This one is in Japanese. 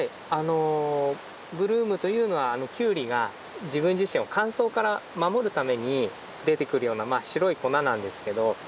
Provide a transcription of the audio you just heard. ブルームというのはキュウリが自分自身を乾燥から守るために出てくるような白い粉なんですけど。